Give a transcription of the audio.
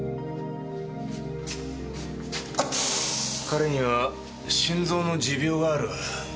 彼には心臓の持病がある。